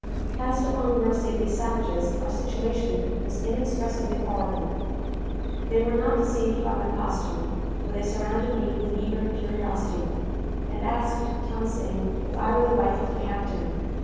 Cast upon the mercy of these savages, our situation was inexpressibly horrible. They were not deceived by my costume; for they surrounded me with eager curiosity, and asked Than Sing if I were the wife of the captain.